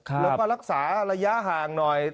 แล้วก็รักษาระยะห่างหน่อย